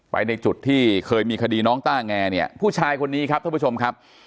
ในจุดที่เคยมีคดีน้องต้าแงเนี่ยผู้ชายคนนี้ครับท่านผู้ชมครับ